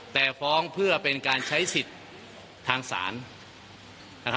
แต่ฟ้องเพื่อเป็นการใช้สิทธิ์ทางศาล